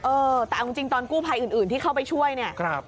เออแต่เอาจริงตอนกู้ภัยอื่นที่เข้าไปช่วยเนี่ย